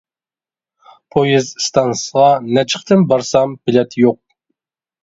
پويىز ئىستانسىسىغا نەچچە قېتىم بارسام بىلەت يوق.